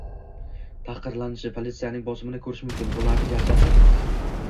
tahqirlashini, politsiyaning bosimini ko‘rish mumkin. Bularning barchasi